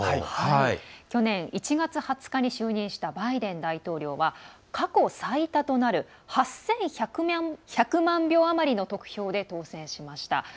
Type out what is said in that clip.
去年１月２０日に就任したバイデン大統領は過去最多となる８１００万票余りの得票で当選しました。